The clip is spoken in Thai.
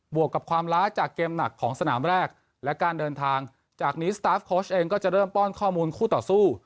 วกกับความล้าจากเกมหนักของสนามแรกและการเดินทางจากนี้สตาฟโค้ชเองก็จะเริ่มป้อนข้อมูลคู่ต่อสู้